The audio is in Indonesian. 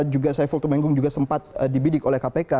juga saiful tumenggung juga sempat dibidik oleh kpk